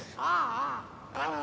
ああ！